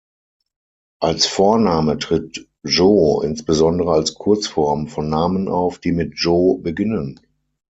Als Vorname tritt "Jo" insbesondere als Kurzform von Namen auf, die mit "Jo-" beginnen.